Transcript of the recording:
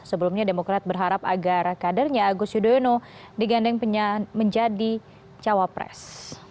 sebelumnya demokrat berharap agar kadernya agus yudhoyono digandeng menjadi cawapres